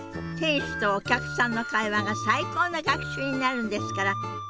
店主とお客さんの会話が最高の学習になるんですから。